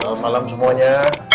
selamat malam semuanya